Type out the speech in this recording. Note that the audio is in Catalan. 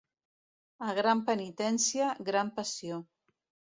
A gran penitència, gran passió.